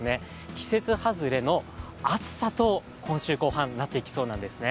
季節外れの暑さと、今週後半なっていきそうなんですね。